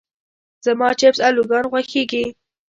زما چپس الوګان خوښيږي.